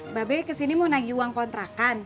mbak bey kesini mau nagih uang kontrakan